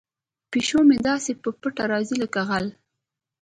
پیشو مې داسې په پټه راځي لکه غل.